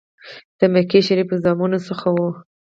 د مکې شریف زامنو څخه وو.